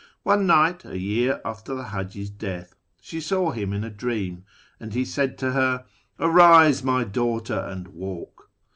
One night, a year after the Haji's death, she saw him in a dream, and he said to her, " Arise, my daughter, and walk."